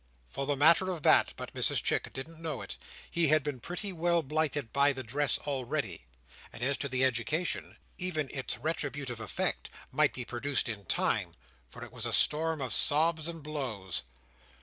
For the matter of that—but Mrs Chick didn't know it—he had been pretty well blighted by the dress already; and as to the education, even its retributive effect might be produced in time, for it was a storm of sobs and blows.